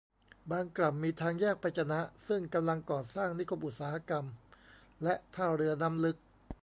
บางกล่ำ มีทางแยกไปจะนะ ซึ่งกำลังก่อสร้างนิคมอุตสาหกรรมและท่าเรือน้ำลึก